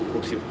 itu beras itu